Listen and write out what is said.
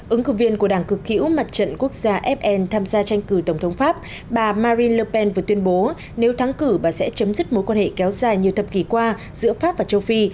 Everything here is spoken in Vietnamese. ứng cử viên của đảng cực hữu mặt trận quốc gia fn tham gia tranh cử tổng thống pháp bà marine lepen vừa tuyên bố nếu thắng cử bà sẽ chấm dứt mối quan hệ kéo dài nhiều thập kỷ qua giữa pháp và châu phi